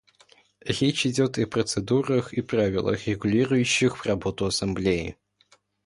Речь идет и процедурах и правилах, регулирующих работу Ассамблеи.